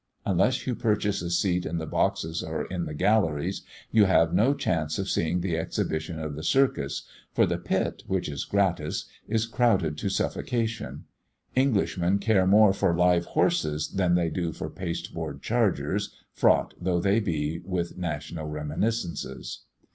Unless you purchase a seat in the boxes or the galleries, you have no chance of seeing the exhibition in the circus, for the pit, which is gratis, is crowded to suffocation. Englishmen care more for live horses than they do for pasteboard chargers, fraught though they be with national reminiscences.